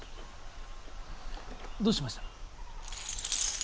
どうしました？